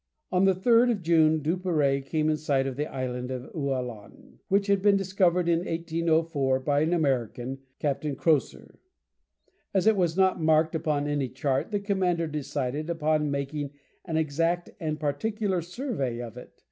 On the 3rd of June Duperrey came in sight of the island of Ualan, which had been discovered in 1804 by an American, Captain Croser. As it was not marked upon any chart, the commander decided upon making an exact and particular survey of it.